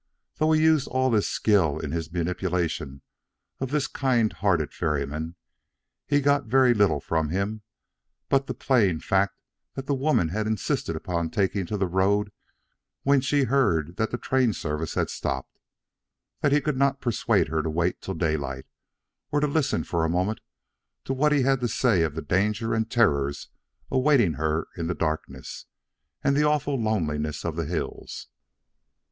Though he used all his skill in his manipulation of this kind hearted ferryman, he got very little from him but the plain fact that the woman insisted upon taking to the road when she heard that the train service had stopped; that he could not persuade her to wait till daylight or to listen for a moment to what he had to say of the danger and terrors awaiting her in the darkness, and the awful loneliness of the hills.